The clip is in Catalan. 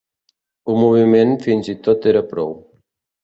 Un moviment fins i tot era prou.